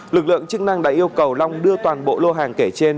lực lượng chức năng đã yêu cầu long đưa toàn bộ lô hàng kể trên